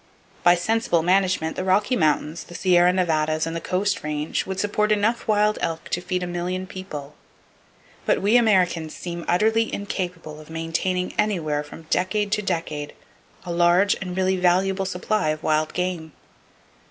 By sensible management the Rocky Mountains, the Sierra Nevadas and the Coast Range would support enough wild elk to feed a million people. But we Americans seem utterly incapable of maintaining anywhere from decade to decade a large and really valuable supply of wild game.